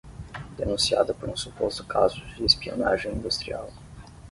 Denunciada por um suposto caso de espionagem industrial